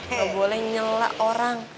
gak boleh nyelak orang